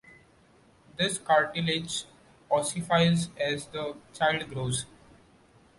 This cartilage ossifies as the child grows.